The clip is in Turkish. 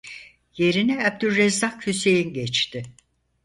Yerine Abdülrezzak Hüseyin geçti.